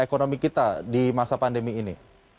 ekonomi kita di masa pandemi ini